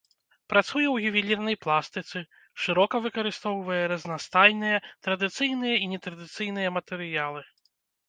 Працуе ў ювелірнай пластыцы, шырока выкарыстоўвае разнастайныя традыцыйныя і нетрадыцыйныя матэрыялы.